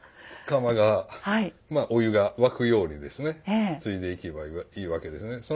釜がまあお湯が沸くようにですねついでいけばいいわけですね。